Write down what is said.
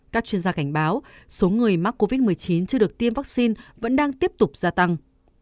các chuyên gia cảnh báo số người mắc covid một mươi chín chưa được tiêm vaccine vẫn đang tiếp tục gia tăng